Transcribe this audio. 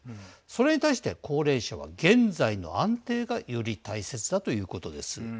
それに対して高齢者は現在の安定がより大切だということです。